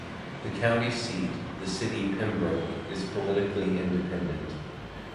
The county seat, the city Pembroke, is politically independent.